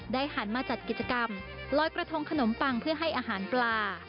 หันมาจัดกิจกรรมลอยกระทงขนมปังเพื่อให้อาหารปลา